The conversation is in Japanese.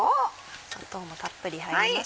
砂糖もたっぷり入りました。